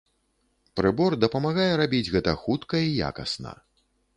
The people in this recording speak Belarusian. Прыбор дапамагае рабіць гэта хутка і якасна.